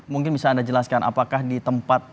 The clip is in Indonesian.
mungkin bisa anda jelaskan apakah di tempat